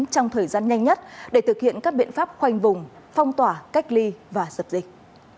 trong thời gian nhanh nhất để thực hiện các biện pháp khoanh vùng phong tỏa cách ly và dập dịch